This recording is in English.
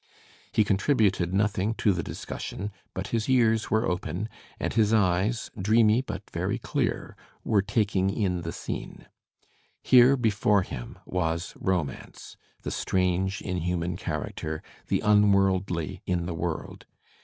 He contributed nothing to the dis cussion, but his ears were open and his eyes, dreamy but very clear, were taking in the scene. Here before him was romance, the strange in human character, the unworldly in the world.